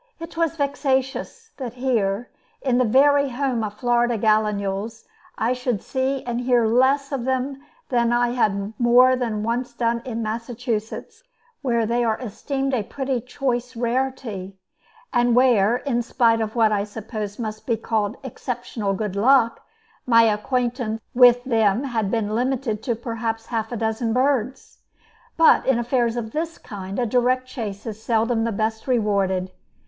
It was vexatious that here, in the very home of Florida gallinules, I should see and hear less of them than I had more than once done in Massachusetts, where they are esteemed a pretty choice rarity, and where, in spite of what I suppose must be called exceptional good luck, my acquaintance with them had been limited to perhaps half a dozen birds. But in affairs of this kind a direct chase is seldom the best rewarded.